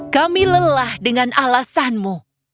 kami lelah dengan alasanmu